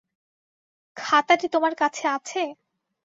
খাতাটি তোমার কাছে আছে?